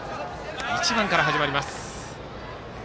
１番から始まります。